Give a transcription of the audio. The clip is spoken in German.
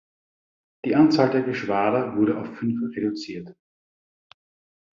Die Anzahl der Geschwader wurde auf fünf reduziert.